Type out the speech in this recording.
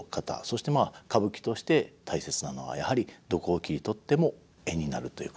そしてまあ歌舞伎として大切なのはやはりどこを切り取っても絵になるということですか。